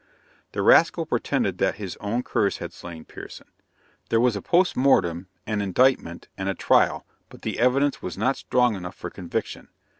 The rascal pretended that his own curse had slain Pierson. There was a post mortem, an indictment, and a trial, but the evidence was not strong enough for conviction.